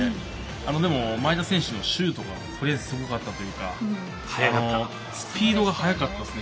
でも前田選手のシュートがすごかったというかスピードが速かったですね。